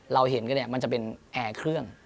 เราเห็นกันเนี่ยมันจะเป็นแอร์เครื่อง